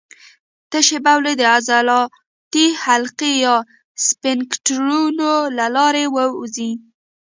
تشې بولې د عضلاتي حلقې یا سفینکترونو له لارې ووځي.